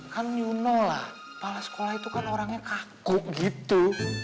kan you know lah kepala sekolah itu kan orangnya kaku gitu